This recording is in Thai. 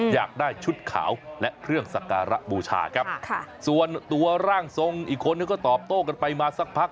อยากได้ชุดขาวและเครื่องสักการะบูชาครับส่วนตัวร่างทรงอีกคนก็ตอบโต้กันไปมาสักพัก